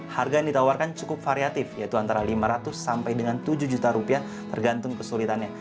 harga yang ditawarkan cukup variatif yaitu antara lima ratus sampai dengan tujuh juta rupiah tergantung kesulitannya